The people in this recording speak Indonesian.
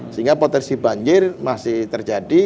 sehingga potensi banjir masih terjadi